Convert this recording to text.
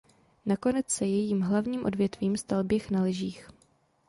Nakonec se jejím hlavním odvětvím stal běh na lyžích.